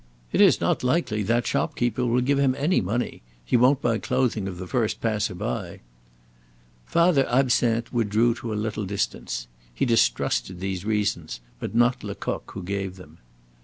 It is not likely that shopkeeper will give him any money. He won't buy clothing of the first passer by." Father Absinthe withdrew to a little distance. He distrusted these reasons, but not Lecoq who gave them.